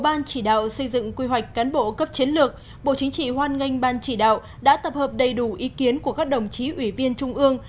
ban chỉ đạo xây dựng quy hoạch cán bộ cấp chiến lược bộ chính trị hoan nghênh ban chỉ đạo đã tập hợp đầy đủ ý kiến của các đồng chí ủy viên trung ương